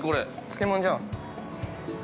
漬物じゃん。